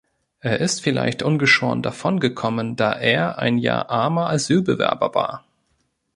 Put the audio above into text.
Er ist vielleicht ungeschoren davon gekommen, da er ein ja armer Asylbewerber war.